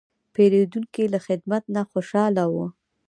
پیرودونکی له خدمت نه خوشاله و.